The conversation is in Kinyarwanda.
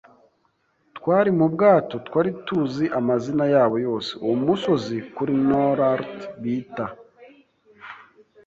twari mu bwato twari tuzi amazina yabo yose. Uwo musozi kuri nor'ard bita